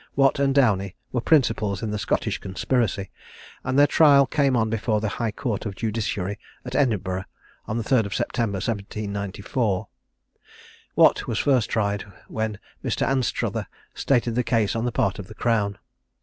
Watt and Downie were principals in the Scottish conspiracy, and their trial came on before the High Court of Justiciary, at Edinburgh, on the 3d of September 1794. Watt was first tried, when Mr. Anstruther stated the case on the part of the Crown.